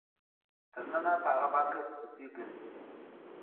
تر ننه په هغه بکس پسې ګرځي.